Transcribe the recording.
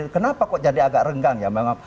kenapa kok jadi agak renggang ya